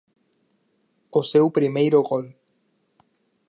O seu primeiro gol.